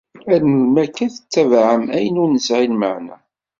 Ar melmi akka ara tettabaɛem ayen ur nesɛi lmeɛna.